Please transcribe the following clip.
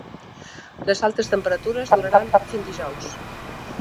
Les altes temperatures duraran fins dijous.